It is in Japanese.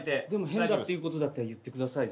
変だっていうことだったら言ってください。